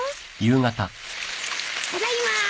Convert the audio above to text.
ただいま。